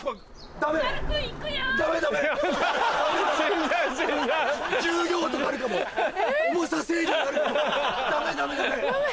ダメダメダメ！